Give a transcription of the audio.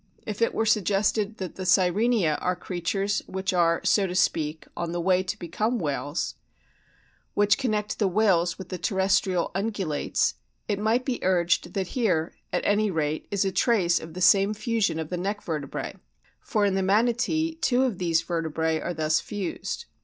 If it were suggested that the Sirenia are creatures which are, so to speak, on the way to become whales which connect the whales with the terrestrial Ungulates it might be urged that here, at any rate, is a trace of the same fusion of the neck vertebrae, for in the Manatee two of these vertebrae are thus fused.